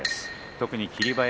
特に霧馬山